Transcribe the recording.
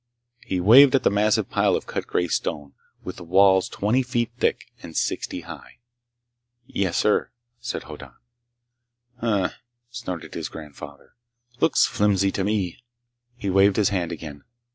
He waved at the massive pile of cut gray stone, with walls twenty feet thick and sixty high. "Yes, sir," said Hoddan. "Hm m m," snorted his grandfather. "Looks flimsy to me!" He waved his hand again.